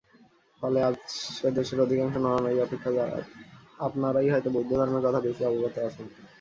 ফলে আজ সে-দেশের অধিকাংশ নরনারী অপেক্ষা আপনারাই হয়তো বৌদ্ধধর্মের কথা বেশী অবগত আছেন।